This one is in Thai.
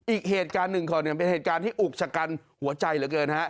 อีกเหตุการณ์หนึ่งก่อนเนี่ยเป็นเหตุการณ์ที่อุกชะกันหัวใจเหลือเกินฮะ